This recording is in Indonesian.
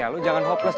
eh bangkuan men